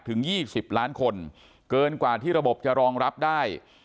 ถึง๒๐ล้านคนเกินกว่าที่ระบบจะรองรับได้